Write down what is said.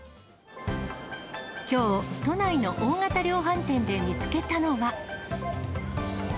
きょう、都内の大型量販店で見つけたのは。